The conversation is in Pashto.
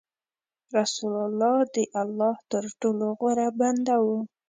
رسول الله د الله تر ټولو غوره بنده و.